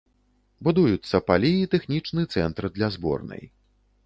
Будуюцца палі і тэхнічны цэнтр для зборнай.